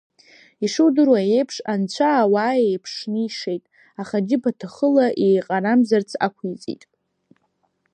Ишудыруа еиԥш, Анцәа ауаа еиԥшны ишеит, аха џьыбаҭыхла еиҟарамзарц ақәиҵеит.